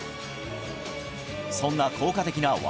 そんな効果的な笑